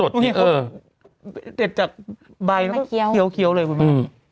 เด็ดจากใบแล้วก็เคี้ยวเลยคุณหมอ